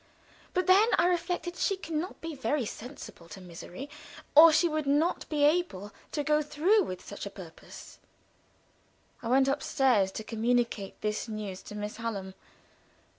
But then, I reflected, she can not be very sensible to misery, or she would not be able to go through with such a purpose. I went upstairs to communicate this news to Miss Hallam.